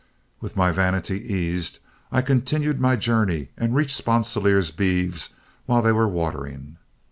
With my vanity eased, I continued my journey and reached Sponsilier's beeves while they were watering.